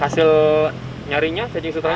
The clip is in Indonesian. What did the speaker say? hasil nyarinya cacing sutranya